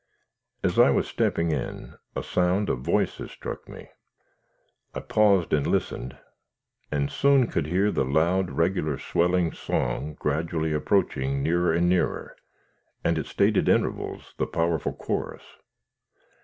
As I was stepping in, a sound of voices struck me. I paused and listened, and soon could hear the loud, regular swelling song gradually approaching nearer and nearer, and at stated intervals the powerful chorus.